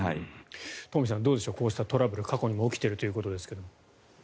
東輝さん、どうでしょうこうしたトラブル過去にも起きているということですが。